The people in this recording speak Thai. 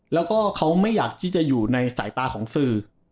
แล้วก็เขาไม่อยากที่จะอยู่ในสายตาของสื่อ